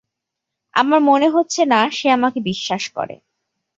আমার মনে হচ্ছে না সে আমাকে বিশ্বাস করে।